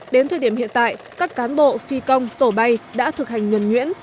đến thời điểm hiện tại các cán bộ phi công tổ bay đã thực hành nhuẩn nhuyễn